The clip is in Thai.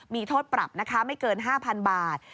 มีโทษปรับนะคะไม่เกิน๕๐๐๐บาท